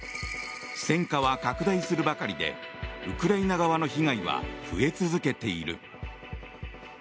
戦渦は拡大するばかりでウクライナ側の被害は増え続けている。